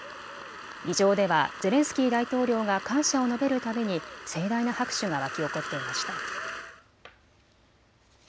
議場ではゼレンスキー大統領が感謝を述べるたびに盛大な拍手が沸き起こっていました。